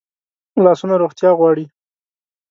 لاسونه روغتیا غواړي